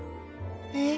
えっ？